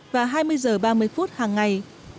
và hai mươi h ba mươi phút hàng ngày